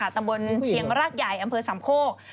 ตำบลเชียงรากใหญ่อำเภอสามโคก